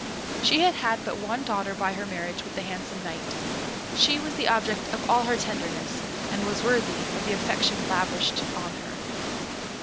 She had had but one daughter by her marriage with the handsome Knight. She was the object of all her tenderness, and was worthy of the affection lavished on her.